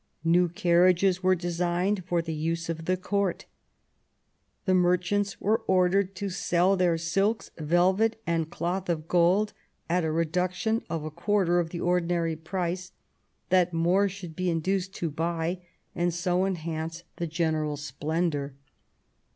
New carriages were designed for the use of the Court. The merchants were ordered to sell their silks, velvets and cloth of gold at a reduction of a quarter of the ordinary price, that more should be induced to buy, and so enhance the general splendour.